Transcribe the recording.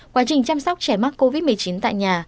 quá trình chăm sóc trẻ mắc covid một mươi chín tại nhà